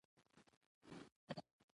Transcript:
چې بد کارونه يې کول انجام خو به یې ویني